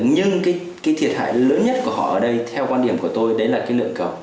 nhưng cái thiệt hại lớn nhất của họ ở đây theo quan điểm của tôi đấy là cái lượng cầu